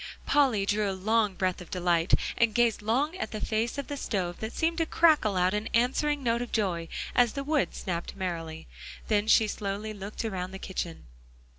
Polly drew a long breath of delight, and gazed long at the face of the stove that seemed to crackle out an answering note of joy as the wood snapped merrily; then she slowly looked around the kitchen.